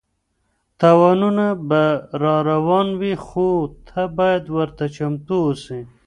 تاوانونه به راروان وي خو ته باید ورته چمتو اوسې.